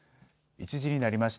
１時になりました。